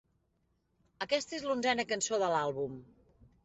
Aquesta és l'onzena cançó de l'àlbum.